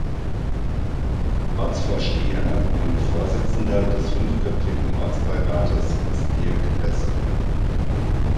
Ortsvorsteher und Vorsitzender des fünfköpfigen Ortsbeirates ist Dirk Hesse.